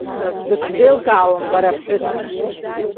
Бысзеилкаауам, бара аԥҳәыс.